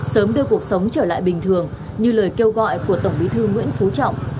sớm đưa cuộc sống trở lại bình thường như lời kêu gọi của tổng bí thư nguyễn phú trọng